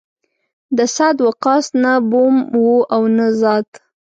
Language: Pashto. د سعد وقاص نه بوم و او نه زاد.